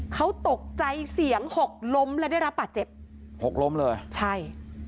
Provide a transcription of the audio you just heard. เขาตกใจเสียงหกล้มและได้รับบาดเจ็บหกล้มเลยใช่